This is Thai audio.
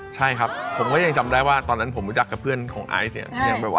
ใช่ครับผมก็ยังจำได้ว่าตอนนั้นผมรู้จักกับเพื่อนของไอซ์เนี่ย